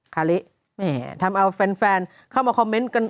คาริแหมทำเอาแฟนเข้ามาคอมเมนต์กัน